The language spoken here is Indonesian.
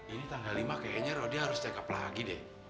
ini tanggal lima kayaknya dia harus check up lagi deh